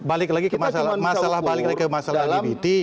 masalah balik lagi ke masalah lgbt